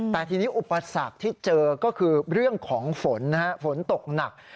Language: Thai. แต่ทีนี้อุปสรรคที่เจอก็คือเรื่องของฝนนะฮะฝนตกหนัก